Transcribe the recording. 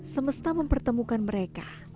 semesta mempertemukan mereka